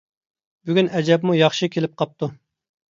بۈگۈن ئەجەبمۇ ياخشى كېلىپ قاپتۇ.